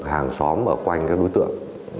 hàng xóm ở quanh các đối tượng